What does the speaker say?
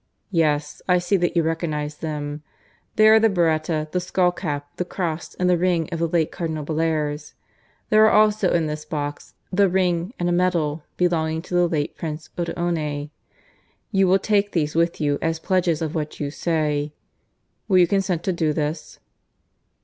Yes; I see that you recognize them. They are the biretta, the skullcap, the cross, and the ring of the late Cardinal Bellairs. There are also in this box the ring and a medal belonging to the late Prince Otteone. ... You will take these with you as pledges of what you say. ... Will you consent to do this?"